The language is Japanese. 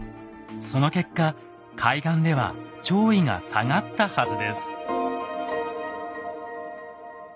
その結果海岸では潮位が下がったはずです。